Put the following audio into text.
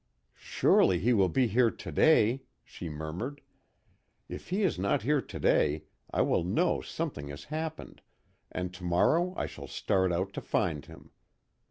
"Surely, he will be here today," she murmured, "If he is not here today I will know something has happened, and tomorrow I shall start out to find him.